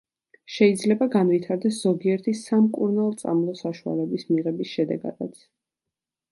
შეიძლება განვითარდეს ზოგიერთი სამკურნალწამლო საშუალების მიღების შედეგადაც.